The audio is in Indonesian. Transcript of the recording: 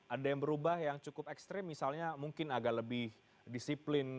ada yang berubah yang cukup ekstrim misalnya mungkin agak lebih disiplin